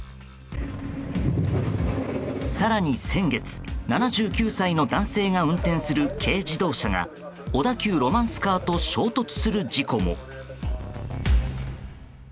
更に先月、７９歳の男性が運転する軽自動車が小田急ロマンスカーと衝突する事故も。